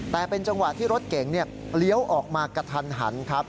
แต่เป็นจังหวะที่รถเก๋งเลี้ยวออกมากระทันหันครับ